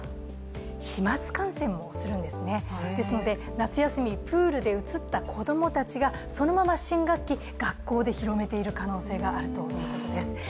夏休み、プールでうつった子供たちがそのまま新学期、学校で広めている可能性があるということです。